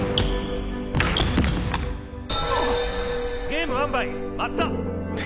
ゲームワンバイ松田。